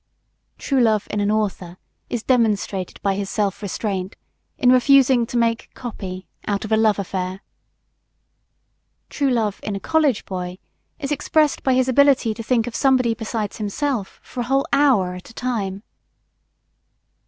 True Love, in an author, is demonstrated by his self restraint, in refusing to make "copy" out of a love affair. True Love, in a college boy, is expressed by his ability to think of somebody besides himself for a whole hour at a time.